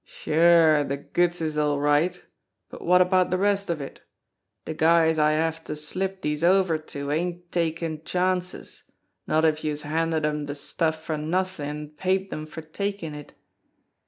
"... Sure, de goods is all right, but wot about de rest of it? De guys I have to slip dese over to ain't takin' chances, not if youse handed 'em de stuff for nothin' an' paid 'em for takin' it."